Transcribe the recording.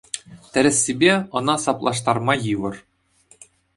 Тӗрӗссипе, ӑна саплаштарма йывӑр.